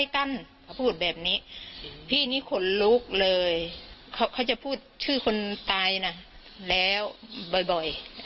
ก็จะพูดชื่อคนตายนะแล้วบ่อย